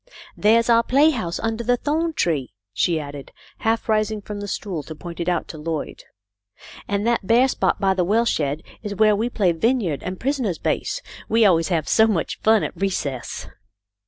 " There's our playhouse under the thorn tree," she added, half rising from the stool to point it out to Lloyd. "And that bare spot by the well shed is where we play vineyard and prisoner's base. We always have so much fun at recess."